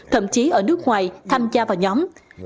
thậm chí ở nước ngoài tham gia vào nhóm